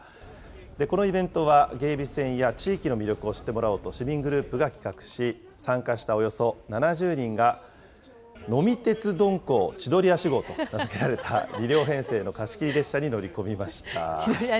このイベントは、芸備線や地域の魅力を知ってもらおうと市民グループが企画し、参加したおよそ７０人が、呑み鉄鈍行ちどり足号と名付けられた、２両編成の貸し切り列車に乗り込みました。